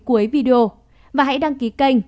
cuối video và hãy đăng ký kênh